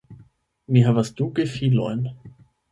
Mi havas du gefilojn.